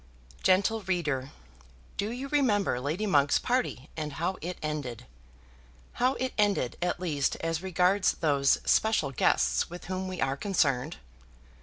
Gentle reader, do you remember Lady Monk's party, and how it ended, how it ended, at least as regards those special guests with whom we are concerned?